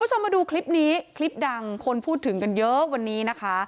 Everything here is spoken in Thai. คุณผู้ชมมาดูคลิปนี้คลิปดังคนพูดถึงกันเยอะวันนี้นะคะ